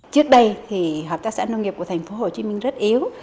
trước đây thì hợp tác xã nông nghiệp của thành phố hồ chí minh rất yếu